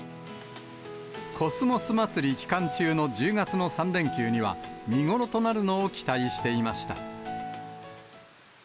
コスモスまつり期間中の１０月の３連休には、見頃となるのを期待していました。